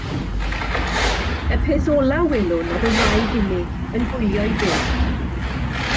Y peth olaf welwn oedd y wraig unig, yn gwylio ei buwch.